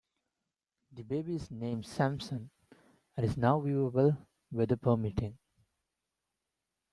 The baby is named "Samson" and is now viewable, weather permitting.